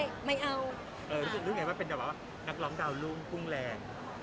รู้ไงว่าจะเป็นนักร้องดาวน์รุ้งพวงแรง